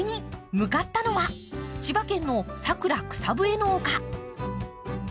向かったのは千葉県の佐倉草ぶえの丘。